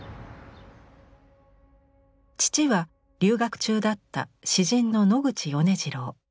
父は留学中だった詩人の野口米次郎。